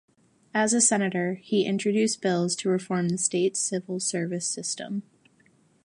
As a senator, he introduced bills to reform the state's civil service system.